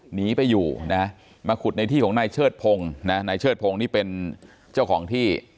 หนีไปอยู่นะมาขุดในที่ของนายเชิดพงศ์นะนายเชิดพงศ์นี่เป็นเจ้าของที่